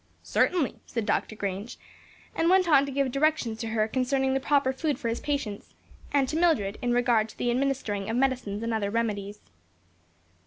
"Certainly," said Dr. Grange, and went on to give directions to her concerning the proper food for his patients, and to Mildred in regard to the administering of medicines and other remedies.